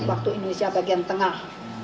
waktu indonesia bagian tengah